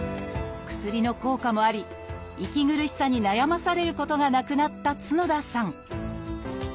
薬の効果もあり息苦しさに悩まされることがなくなった角田さん。